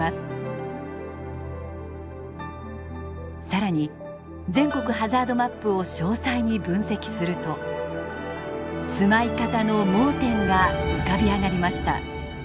更に全国ハザードマップを詳細に分析すると住まい方の盲点が浮かび上がりました。